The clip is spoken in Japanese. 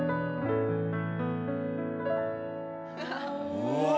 うわ。